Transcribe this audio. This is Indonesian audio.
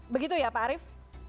begitu ya pak arief